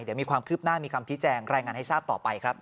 เดี๋ยวมีความคืบหน้ามีคำชี้แจงรายงานให้ทราบต่อไปครับ